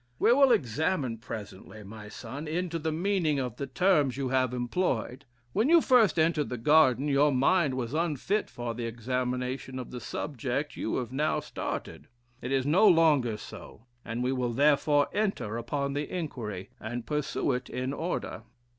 "We will examine presently, my son, into the meaning of the terms you have employed. When you first entered the Garden your mind was unfit for the examination of the subject you have now started: it is no longer so; and we will therefore enter upon the inquiry, and pursue it in order."